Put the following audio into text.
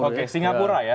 oke singapura ya